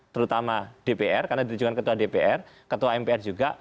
terutama dpr karena ditujukan ketua dpr ketua mpr juga